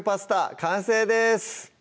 完成です